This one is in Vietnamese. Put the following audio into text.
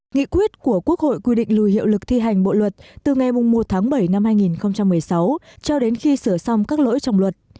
nghị quyết của quốc hội quy định lùi hiệu lực thi hành bộ luật từ ngày một tháng bảy năm hai nghìn một mươi sáu cho đến khi sửa xong các lỗi trong luật